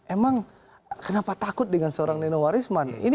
emang kenapa takut dengan seorang nenowarisman